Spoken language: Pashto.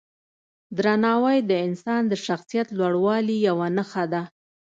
درناوی د انسان د شخصیت لوړوالي یوه نښه ده.